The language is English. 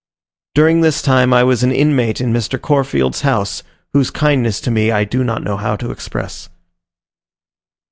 During this time I was an inmate in Mr. Corfield's house, whose kindness to me I do not know how to express.